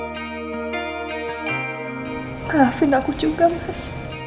maafin aku juga mas